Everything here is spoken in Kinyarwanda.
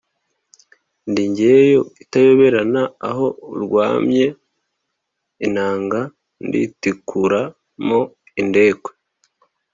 ndi Ngeyo itayoberana aho rwamye, inanga ndutikura mo indekwe.